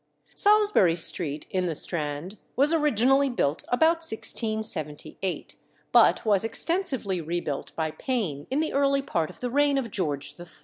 Salisbury Street, in the Strand, was originally built about 1678, but was extensively rebuilt by Payne in the early part of the reign of George III.